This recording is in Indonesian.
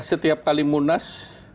setiap kali munas